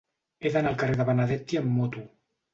He d'anar al carrer de Benedetti amb moto.